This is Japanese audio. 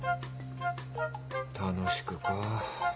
楽しくか。